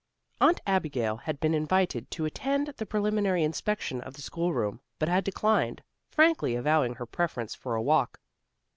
Aunt Abigail had been invited to attend the preliminary inspection of the schoolroom, but had declined, frankly avowing her preference for a walk.